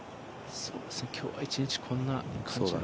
今日は一日こんな感じ。